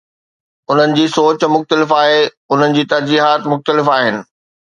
انهن جي سوچ مختلف آهي، انهن جي ترجيحات مختلف آهن.